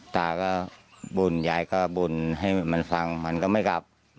ตาก็บ่นยายก็บ่นให้มันฟังมันก็ไม่กลับ